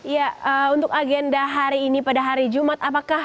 ya untuk agenda hari ini pada hari jumat